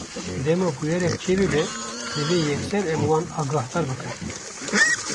Dema bûyerek çêbibe, divê yekser em wan agahdar bikin.